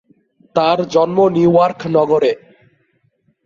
তার জন্ম New York নগরে।